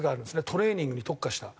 トレーニングに特化した。